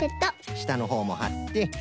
したのほうもはって。